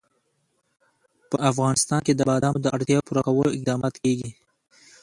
په افغانستان کې د بادامو د اړتیاوو پوره کولو اقدامات کېږي.